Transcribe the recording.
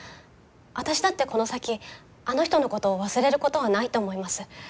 私だってこの先あの人のことを忘れることはないと思います。